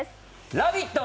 「ラヴィット！」